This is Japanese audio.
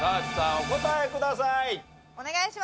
お答えください。